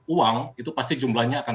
uang itu pasti jumlahnya akan